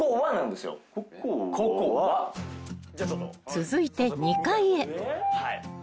［続いて２階へ］